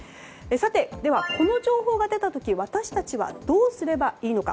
では、この情報が出た時私たちはどうすればいいのか。